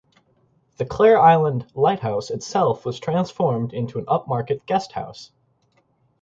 The Clare Island Lighthouse itself was transformed into an upmarket guesthouse.